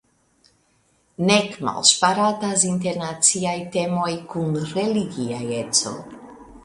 Nek malŝparatas internaciaj temoj kun religia eco.